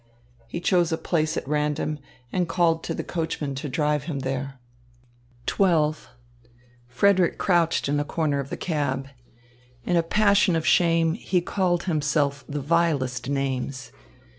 He chose a place at random, and called to the coachman to drive him there. XII Frederick crouched in a corner of the cab. In a passion of shame, he called himself the vilest names.